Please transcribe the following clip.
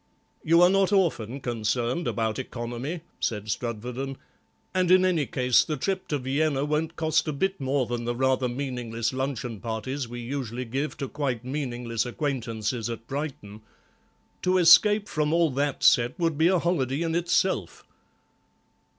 "You are not often concerned about economy," said Strudwarden, "and in any case the trip of Vienna won't cost a bit more than the rather meaningless luncheon parties we usually give to quite meaningless acquaintances at Brighton. To escape from all that set would be a holiday in itself."